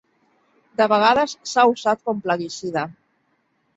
De vegades s’ha usat com plaguicida.